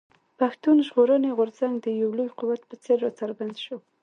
پښتون ژغورني غورځنګ د يو لوی قوت په څېر راڅرګند شو.